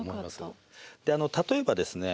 例えばですね